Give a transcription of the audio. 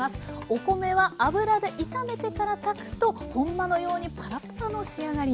お米は油で炒めてから炊くと本場のようにパラパラの仕上がりに。